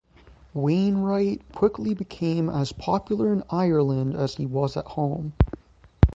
Wainwright quickly became as popular in Ireland as he was at home.